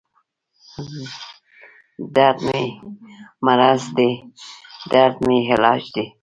دردمې مرض دی دردمې علاج دی